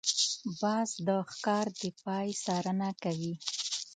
باز د ښکار د پای څارنه کوي